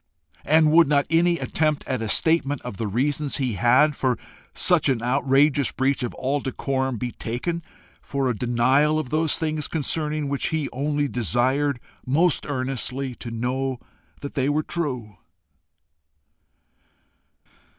And would not any attempt at a statement of the reasons he had for such an outrageous breach of all decorum be taken for a denial of those things concerning which he only desired most earnestly to know that they were true.